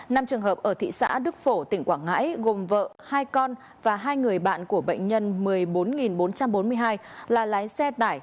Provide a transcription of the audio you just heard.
năm trường hợp ở thị xã đức phổ tỉnh quảng ngãi gồm vợ hai con và hai người bạn của bệnh nhân một mươi bốn bốn trăm bốn mươi hai là lái xe tải